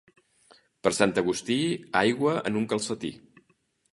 Per Sant Agustí, aigua en un calcetí.